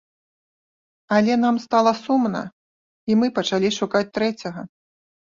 Але нам стала сумна і мы пачалі шукаць трэцяга.